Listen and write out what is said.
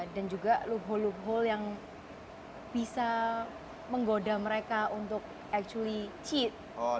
dan juga loophole loophole yang bisa menggoda mereka untuk actually cheat